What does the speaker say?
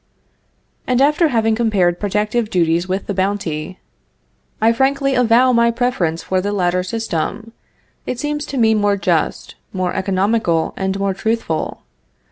And after having compared protective duties with the bounty: "I frankly avow my preference for the latter system; it seems to me more just, more economical, and more truthful.